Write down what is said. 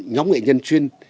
nhóm nghệ nhân chuyên